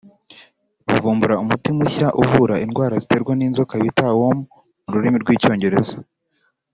bavumbura umuti mushya uvura indwara ziterwa n’inzoka bita “worm” mu rurimi rw’Icyongereza